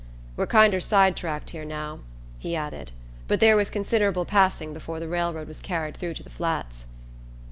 "We're kinder side tracked here now," he added, "but there was considerable passing before the railroad was carried through to the Flats."